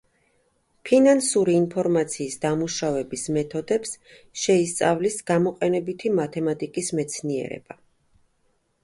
ფინანსური ინფორმაციის დამუშავების მეთოდებს შეისწავლის გამოყენებითი მათემატიკის მეცნიერება.